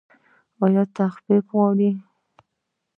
ایا تخفیف غواړئ؟